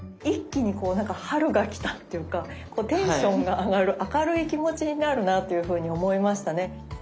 一気にこうなんか春が来たっていうかこうテンションが上がる明るい気持ちになるなというふうに思いましたね。